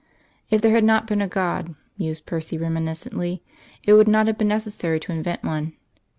If there had not been a God, mused Percy reminiscently, it would have been necessary to invent one.